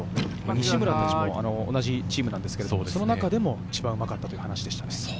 西村たちも同じチームなんですけれど、その中でも一番うまかったという話でした。